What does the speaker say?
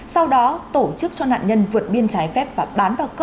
sau đó tổ chức cho nạn nhân vượt biên trái phép và bán vào cơ sở